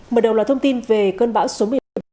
mở đầu là thông tin về cơn bão số một mươi bảy